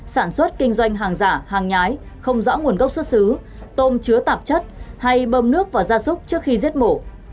sản xuất kinh doanh hàng giả hàng nhái không rõ nguồn gốc xuất xứ tôm chứa tạp chất hay bơm nước và gia súc trước khi giết mổ